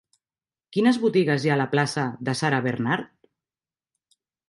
Quines botigues hi ha a la plaça de Sarah Bernhardt?